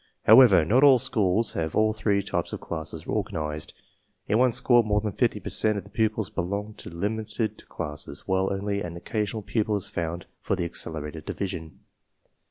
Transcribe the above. However, not all schools have all three types of classes organized. In one school more than 50 per cent of the pupils belong in limited classes, while only an occasional pupil is found for the accelerated division.